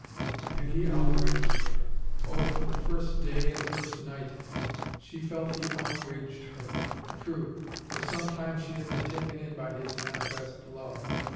And he outraged her! Oh, from the first day and the first night, she felt he outraged her. True, for some time she had been taken in by his manifest love.